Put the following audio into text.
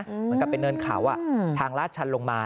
เหมือนกับเป็นเนินเขาทางลาดชันลงมา